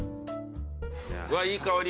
うわいい香り！